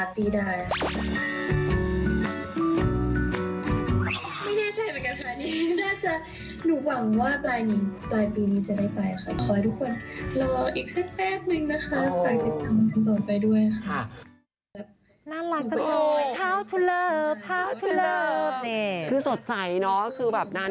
มันอยากทำเพลงที่มันเต้นมากขึ้น